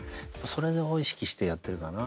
それを意識してやってるかな。